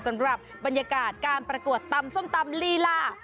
สำหรับบรรยากาศการประกวดตำส้มตำลีลา